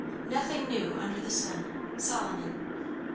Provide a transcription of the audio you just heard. Nothing new under the sun. SOLOMON.